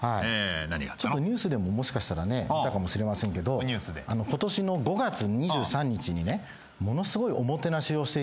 ニュースでももしかしたらね見たかもしれませんけど今年の５月２３日にねものすごいおもてなしをしていただきまして。